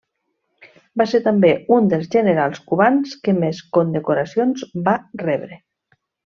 Va ser també un dels generals cubans que més condecoracions va rebre.